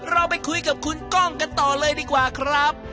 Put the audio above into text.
เราไปคุยกับคุณก้องกันต่อเลยดีกว่าครับ